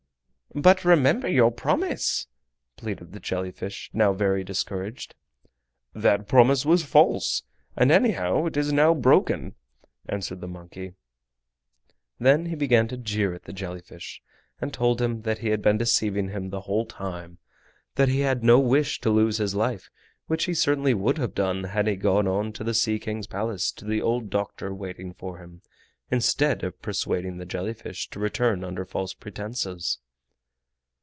"But remember your promise!" pleaded the jelly fish, now very discouraged. "That promise was false, and anyhow it is now broken!" answered the monkey. Then he began to jeer at the jelly fish and told him that he had been deceiving him the whole time; that he had no wish to lose his life, which he certainly would have done had he gone on to the Sea King's Palace to the old doctor waiting for him, instead of persuading the jelly fish to return under false pretenses.